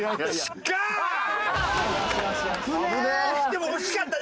でも惜しかった。